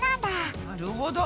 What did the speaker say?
なるほど！